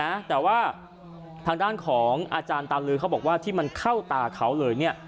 นะแต่ว่าทางด้านของอาจารย์ตาลือเขาบอกว่าที่มันเข้าตาเขาเลยเนี่ย